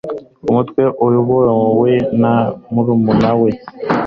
umutwe uyobowe na murumuna we